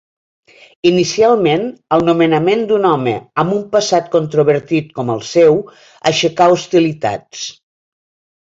Inicialment, el nomenament d'un home amb un passat controvertit com el seu, aixecà hostilitats.